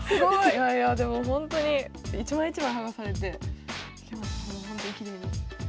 いやいやでもほんとに一枚一枚剥がされてもうほんとにきれいに。